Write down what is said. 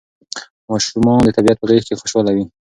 ماشومان د طبیعت په غېږ کې خوشاله وي.